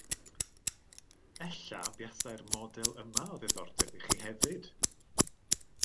Ella buasai'r model yma o ddiddordeb i chi hefyd